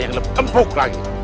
agai gak ada apa lagi